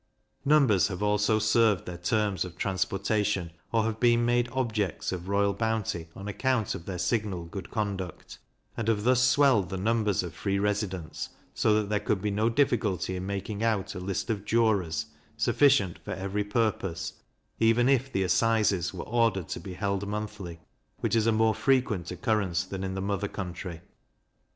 Numbers have also served their terms of transportation, or have been made objects of royal bounty on account of their signal good conduct, and have thus swelled the numbers of free residents; so that there could be no difficulty in making out a list of jurors, sufficient for every purpose, even if the assizes were ordered to be held monthly, which is a more frequent occurrence than in the mother country.